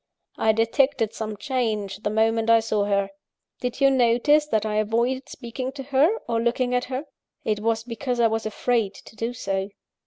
I detected some change, the moment I saw her. Did you notice that I avoided speaking to her, or looking at her? it was because I was afraid to do so.